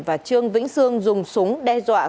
và trương vĩnh sương dùng súng đe dọa